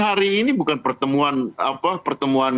hari ini bukan pertemuan